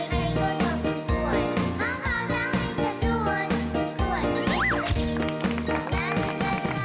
สวัสดีครับทุกคน